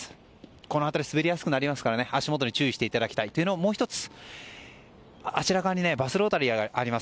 この辺り滑りやすくなりますから足元に注意していただきたいのともう１つ、あちらにバスロータリーがあります。